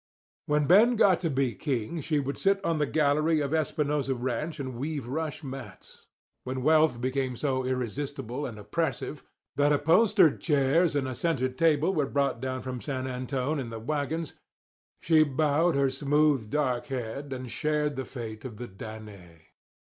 When Ben got to be king she would sit on the gallery of Espinosa Ranch and weave rush mats. When wealth became so irresistible and oppressive that upholstered chairs and a centre table were brought down from San Antone in the wagons, she bowed her smooth, dark head, and shared the fate of the Danae.